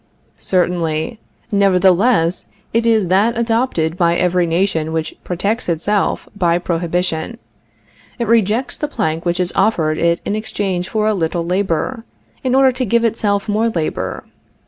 Certainly. Nevertheless it is that adopted by every nation which protects itself by prohibition. It rejects the plank which is offered it in exchange for a little labor, in order to give itself more labor.